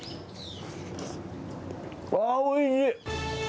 うわー、おいしい！